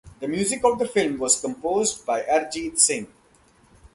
The music of the film was composed by Arijit Singh.